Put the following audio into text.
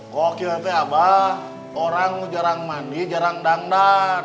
kokil ente abah orang jarang mandi jarang dang dang